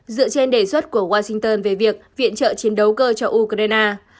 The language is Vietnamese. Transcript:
dựa trên đề xuất của washington về việc viện trợ chiến đấu cơ cho ukraine